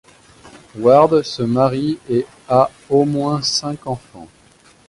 Ward se marie et a au moins cinq enfants.